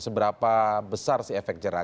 seberapa besar sih efek jerah